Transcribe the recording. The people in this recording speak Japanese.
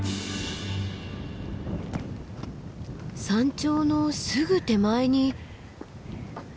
山頂のすぐ手前に。